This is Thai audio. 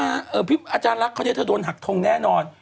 อาจารย์ลักษณ์เขาจะโดนหักทงแน่นอน